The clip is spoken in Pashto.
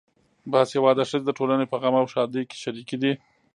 باسواده ښځې د ټولنې په غم او ښادۍ کې شریکې دي.